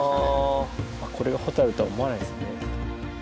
これがホタルとは思わないですよね。